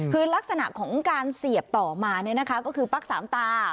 คือลักษณะของการเสียบต่อมาก็คือปั๊กสามตา